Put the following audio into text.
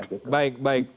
oke baik baik baik